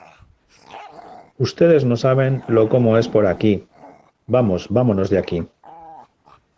¡ Ustedes no saben lo como es por aquí! Vamos, vámonos de aquí.